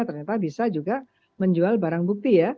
ternyata bisa juga menjual barang bukti ya